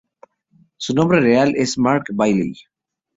Su nombre real es Mark Bailey.